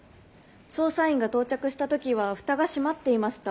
捜査員が到着した時は蓋が閉まっていました。